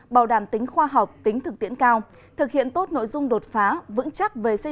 bảo đảm tính khoa học tính thực tiễn cao thực hiện tốt nội dung đột phá